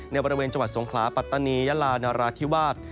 ในบริเวณจังหวัดสงขลาปัตตานียาลานราธิวาส